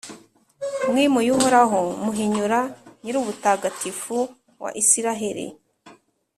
Mwimuye Uhoraho, muhinyura Nyirubutagatifu wa Israheli,